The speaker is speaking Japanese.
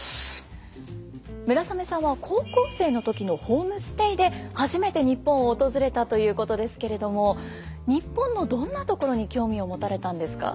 村雨さんは高校生の時のホームステイで初めて日本を訪れたということですけれども日本のどんなところに興味を持たれたんですか？